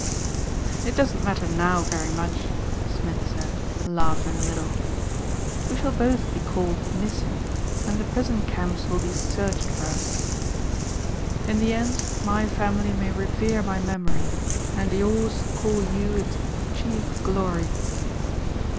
"It doesn't matter now very much," Smith said laughing a little, "we shall both be called missing and the prison camps will be searched for us. In the end my family may revere my memory and yours call you its chief glory."